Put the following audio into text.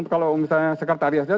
kalau misalnya sekretariatnya